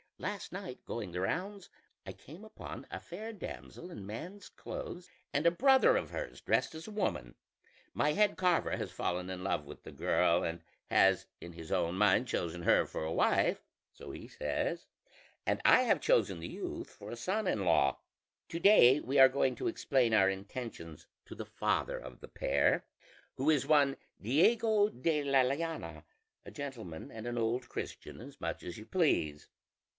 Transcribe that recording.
"Last night going the rounds I came upon a fair damsel in man's clothes, and a brother of hers dressed as a woman: my head carver has fallen in love with the girl, and has in his own mind chosen her for a wife, so he says, and I have chosen the youth for a son in law; to day we are going to explain our intentions to the father of the pair, who is one Diego de la Llana, a gentleman and an old Christian as much as you please.